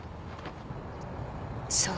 そう。